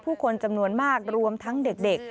ผู้คนจำนวนมากรวมทั้งเด็ก